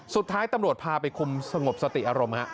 สุดท้ายตำรวจพาไปคุมสงบสติอารมณ์ฮะ